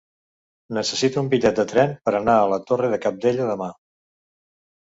Necessito un bitllet de tren per anar a la Torre de Cabdella demà.